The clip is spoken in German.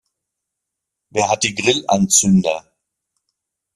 Wer hat die Grillanzünder?